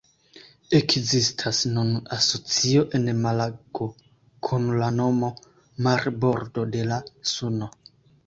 Ekzistas nun asocio en Malago, kun la nomo «Marbordo de la Suno».